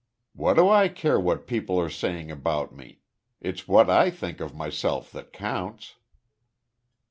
"What do I care what people are saying about me? It's what I think of myself that counts."